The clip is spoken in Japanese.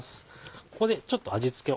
ここでちょっと味付けを。